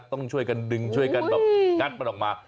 ต้องช่วยกันดึงช่วยกันแบบงัดมันออกมา